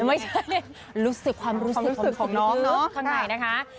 ไม่ใช่รู้สึกความรู้สึกข้างในนะคะ